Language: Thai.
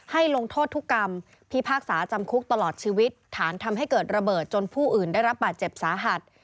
ลงโทษทุกกรรมพิพากษาจำคุกตลอดชีวิตฐานทำให้เกิดระเบิดจนผู้อื่นได้รับบาดเจ็บสาหัส